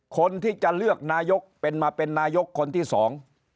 คนที่จะเลือกนายกเป็นมาเป็นนายกคนที่สอง